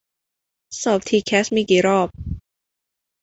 สอบทีแคสมีกี่รอบ